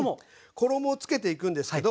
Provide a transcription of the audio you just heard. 衣をつけていくんですけど。